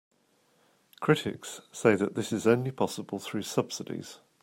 Critics say that this is only possible through subsidies.